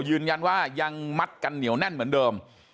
ยืนยันว่ายังมัดกันเหนียวแน่นเหมือนเดิม